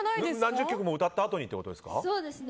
何十曲も歌ったあとにってことですか？